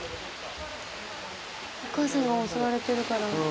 お母さんが襲われてるから。